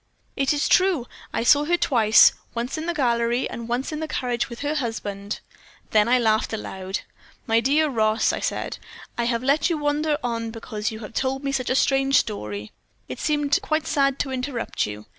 "'It is true. I saw her twice, once in the gallery, and once in the carriage with her husband.' "Then I laughed aloud. "'My dear Ross,' I said, 'I have let you wander on because you have told me such a strange story; it really seemed quite sad to interrupt you.